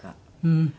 うん。